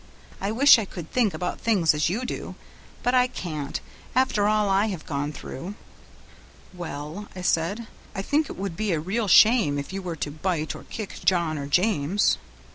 I wish I could think about things as you do; but I can't, after all I have gone through." "Well," I said, "I think it would be a real shame if you were to bite or kick John or James."